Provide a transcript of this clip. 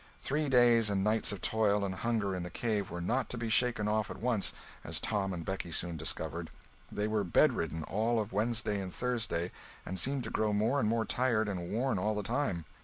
Three days and nights of toil and hunger in the cave were not to be shaken off at once, as Tom and Becky soon discovered. They were bedridden all of Wednesday and Thursday, and seemed to grow more and more tired and worn, all the time.